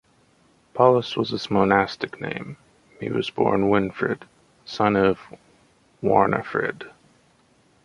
Paulus was his monastic name; he was born Winfrid, son of Warnefrid.